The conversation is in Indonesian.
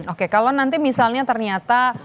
oke kalau nanti misalnya ternyata